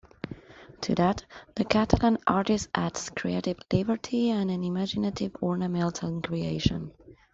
To that, the Catalan artist adds creative liberty and an imaginative, ornamental creation.